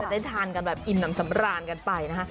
ได้ทานกันแบบอิ่มน้ำสำราญกันไปนะฮะ